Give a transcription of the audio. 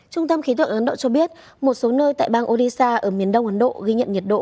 trung tâm khí tuật ở ấn độ cho biết một số nơi tại bang odisha ở miền đông ấn độ ghi nhận nhiệt độ